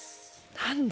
何だ？